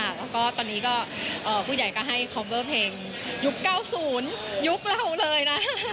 แล้วก็ตอนนี้ก็ผู้ใหญ่ก็ให้คอมเวอร์เพลงยุค๙๐ยุคเราเลยนะ